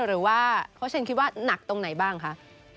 หรือว่าเพราะฉันคิดว่านักตรงไหนบ้างคะ